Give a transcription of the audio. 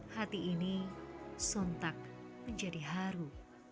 hati ini sontak menjadi haru